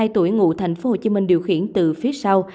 ba mươi hai tuổi ngụ tp hcm điều khiển từ phía sau